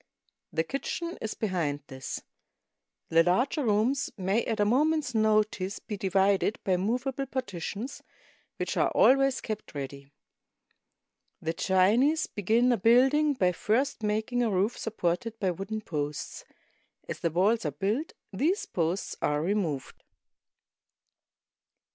The kitchen is behind this. The larger rooms may at a moment's notice be divided by mov able partitions, which are always kept ready. The Chinese begin a building by first making a roof supported by wooden posts. As the walls are built, these posts are removed.